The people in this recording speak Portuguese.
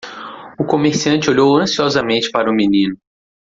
O comerciante olhou ansiosamente para o menino.